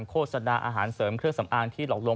โฆษณาอาหารเสริมเครื่องสำอางที่หลอกลวง